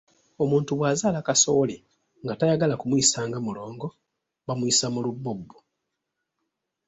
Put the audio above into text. Omuntu bw’azaala Kasowole nga tayagala kumuyisa nga mulongo bamuyisa mu lubbobbo.